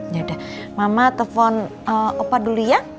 yaudah mama telepon opa dulu ya